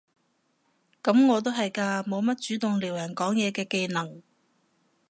噉我都係嘅，冇乜主動撩人講嘢嘅技能